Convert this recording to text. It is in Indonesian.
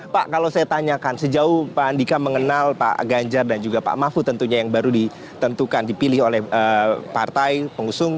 pak kalau saya tanyakan sejauh pak andika mengenal pak ganjar dan juga pak mahfud tentunya yang baru ditentukan dipilih oleh partai pengusung